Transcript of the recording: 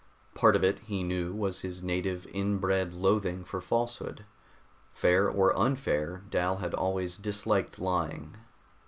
Part of it, he knew, was his native, inbred loathing for falsehood. Fair or unfair, Dal had always disliked lying.